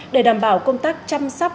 để đảm bảo công tác chăm sóc